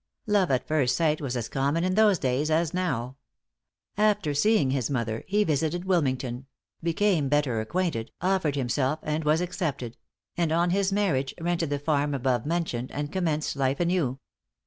Love at first sight was as common in those days as now. After seeing his mother, he visited Wilmington; became better acquainted, offered himself and was accepted; and on his marriage, rented the farm above mentioned, and commenced life anew.